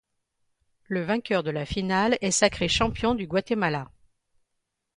Le vainqueur de la finale est sacré champion du Guatemala.